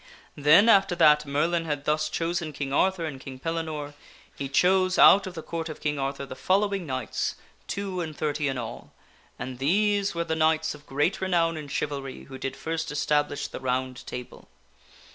Then after that Merlin had thus chosen King Arthur and King Pellinore he chose out of the Court of King Arthur the following knights, two and thirty in all, and these were the knights of great renown in chivalry who did first establish the Round Table.